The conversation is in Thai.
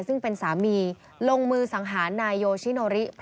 ซึ่งเป็นสามีลงมือสังหารนายโยชิโนริ